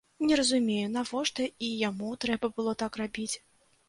Не разумею, навошта і яму трэба было так рабіць.